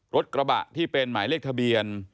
รถกระบะที่เป็นหมายเลขทะเบียน